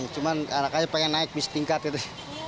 cuman anaknya pengen naik bus tingkat gitu